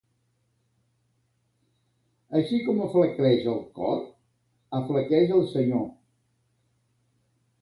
Així com aflaqueix el cor, aflaqueix el senyor.